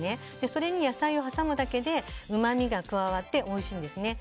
それに野菜を挟むだけでうまみが加わっておいしいんですね。